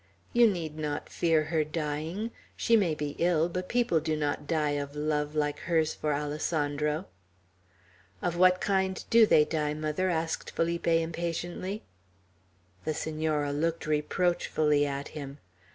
You need not fear her dying, She may be ill; but people do not die of love like hers for Alessandro." "Of what kind do they die, mother?" asked Felipe, impatiently. The Senora looked reproachfully at him.